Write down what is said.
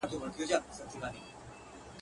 د انارکلي اوښکو ته!.